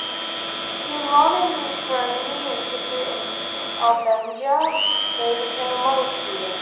He enrolled in the Ferrini Institute in Albenga, where he became a model student.